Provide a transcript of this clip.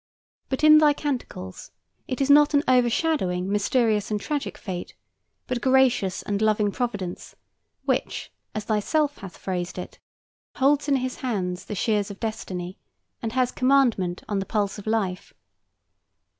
But in thy canticles it is not an o'ershadowing, mysterious, and tragic fate, but a gracious and loving Providence which, as thyself hath phrased it, "Holds in His hands the shears of destiny, And has commandment on the pulse of life."